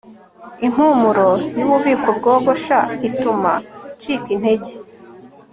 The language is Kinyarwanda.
Impumuro yububiko bwogosha ituma ncika intege